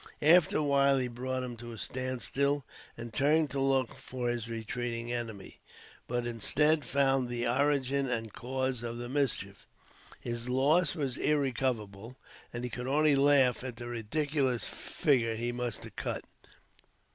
After a while, he brought him to a stand still, and turned to look for his retreating enemy, but instead, found the origin and cause of the mischief. His loss was irrecoverable, and he could only laugh at the ridiculous figure he must have cut.